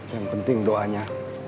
yang penting doanya